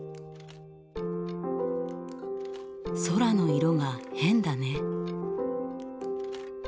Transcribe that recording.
空の色が変だね。